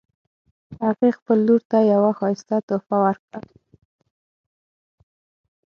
هغې خپل لور ته یوه ښایسته تحفه ورکړه